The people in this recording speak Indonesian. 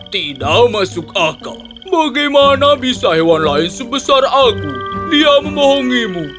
tidak masuk akal bagaimana bisa hewan lain sebesar aku dia membohongimu